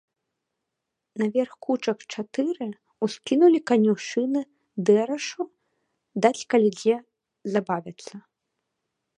Наверх кучак чатыры ўскінулі канюшыны дэрашу, даць, калі дзе забавяцца.